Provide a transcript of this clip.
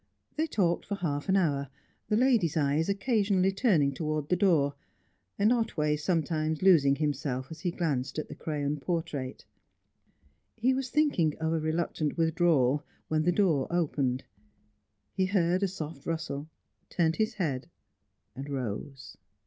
They talked for half an hour, the lady's eyes occasionally turning towards the door, and Otway sometimes losing himself as he glanced at the crayon portrait. He was thinking of a reluctant withdrawal, when the door opened. He heard a soft rustle, turned his head, and rose.